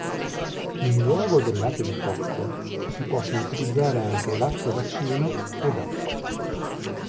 In luogo del latte di cocco, si possono utilizzare anche latte vaccino ed acqua.